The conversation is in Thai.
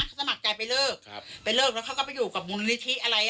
เขาสมัครใจไปเลิกครับไปเลิกแล้วเขาก็ไปอยู่กับมูลนิธิอะไร